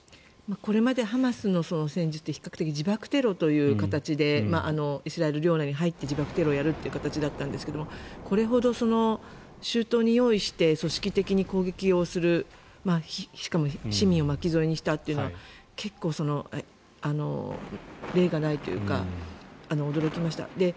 これまでハマスの戦闘って自爆テロという形でイスラエル領内に入って自爆テロをやるという形だったんですがこれほど周到に用意して組織的に攻撃するしかも市民を巻き添えにしたというのは結構、例がないというか驚きました。